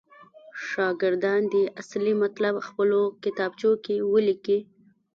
شاګردان دې اصلي مطلب پخپلو کتابچو کې ولیکي.